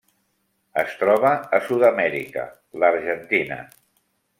Es troba a Sud-amèrica: l'Argentina.